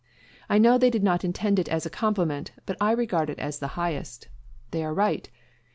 I know they did not intend it as a compliment; but I regard it as the highest. They are right.